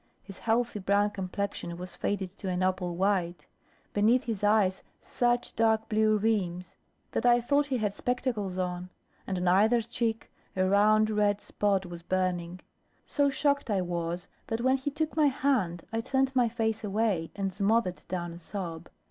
His healthy brown complexion was faded to an opal white; beneath his eyes such dark blue rims, that I thought he had spectacles on; and on either cheek a round red spot was burning. So shocked I was, that when he took my hand, I turned my face away and smothered down a sob.